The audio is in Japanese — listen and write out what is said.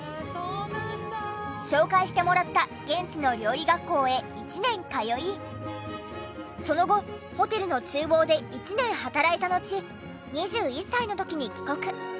紹介してもらった現地の料理学校へ１年通いその後ホテルの厨房で１年働いたのち２１歳の時に帰国。